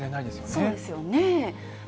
そうですよね。